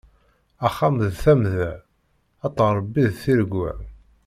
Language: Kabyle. Axxam d tamda, at Ṛebbi d tiregwa.